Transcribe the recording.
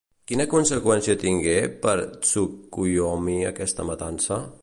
Quina conseqüència tingué, per Tsukuyomi, aquesta matança?